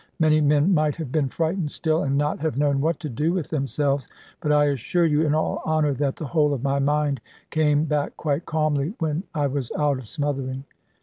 Many men might have been frightened still, and not have known what to do with themselves. But I assure you, in all honour, that the whole of my mind came back quite calmly, when I was out of smothering.